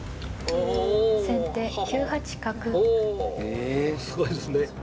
おすごいですね。